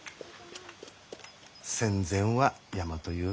戦前は大和世。